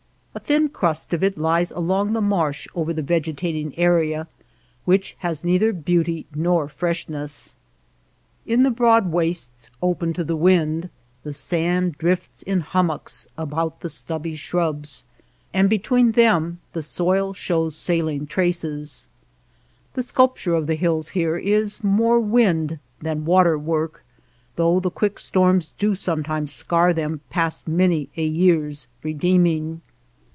A thin crust of it lies along the marsh over the vegetating area, which has neither beauty nor freshness. In the broad wastes open to the wind the sand drifts in hummocks about the stubby shrubs, and between them the soil shows saline 4 THE LAND OF LITTLE RAIN traces. The sculpture of the hills here is more wind than water work, though the quick storms do sometimes scar them past many a year's redeeming.